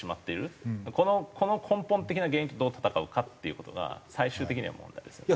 この根本的な原因とどう戦うかっていう事が最終的には問題ですね。